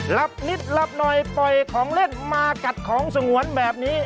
นิดหลับหน่อยปล่อยของเล่นมากัดของสงวนแบบนี้